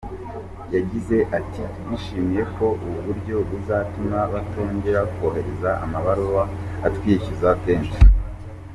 Yagize ati “Twishimiye ko ubu buryo buzatuma batongera kohereza amabaruwa atwishyuza kenshi.